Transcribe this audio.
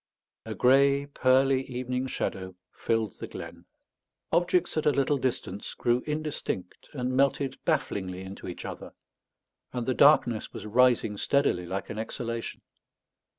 A grey pearly evening shadow filled the glen; objects at a little distance grew indistinct and melted bafflingly into each other; and the darkness was rising steadily like an exhalation.